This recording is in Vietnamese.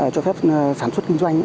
cho phép sản xuất kinh doanh